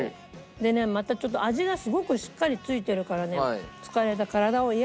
でねまたちょっと味がすごくしっかり付いてるからね疲れた体を癒やすのよ。